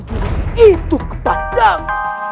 jurus itu ke batang